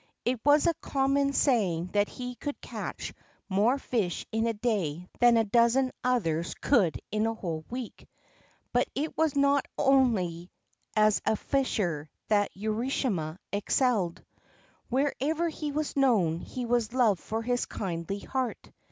It was a common saying that he could catch more fish in a day than a dozen others could in a whole week. But it was not only as a fisher that Urashima excelled. Wher ever he was known, he was loved for his kindly heart.